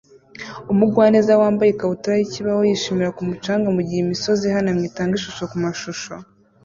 Umugwaneza wambaye ikabutura yikibaho yishimira ku mucanga mugihe imisozi ihanamye itanga ishusho kumashusho